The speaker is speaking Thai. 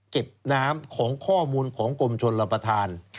เก็บน้ำของข้อมูลของกรมชนรับประทาน